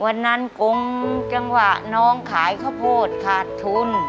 วันนั้นกงจังหวะน้องขายข้าวโพดขาดทุน